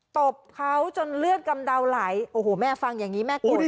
ตบเขาจนเลือดกำเดาไหลโอ้โหแม่ฟังอย่างนี้แม่กลัว